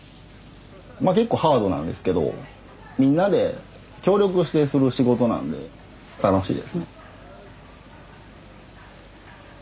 まあ結構ハードなんですけどみんなで協力してする仕事なんで楽しいですね。